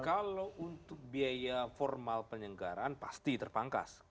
kalau untuk biaya formal penyelenggaraan pasti terpangkas